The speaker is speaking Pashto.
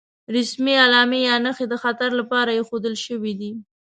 رسمي علامې یا نښې د خطر لپاره ايښودل شوې دي.